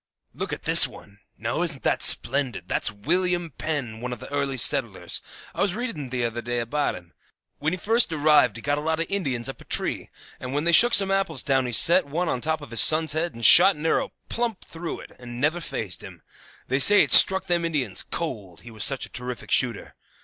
"Look at this one. Now, isn't that splendid? That's William Penn, one of the early settlers. I was reading t'other day about him. When he first arrived he got a lot of Indians up a tree, and when they shook some apples down he set one on top of his son's head and shot an arrow plump through it and never fazed him. They say it struck them Indians cold, he was such a terrific shooter.